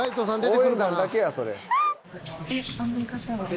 応援団だけやそれ。